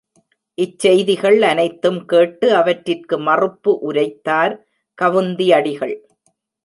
இச்செய்திகள் அனைத்தும் கேட்டு அவற்றிற்கு மறுப்பு உரைத்தார் கவுந்தி அடிகள்.